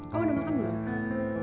kau udah makan belum